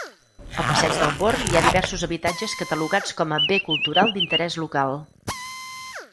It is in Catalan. Al passeig del Born hi ha diversos habitatges catalogats com a Bé Cultural d'Interès Local.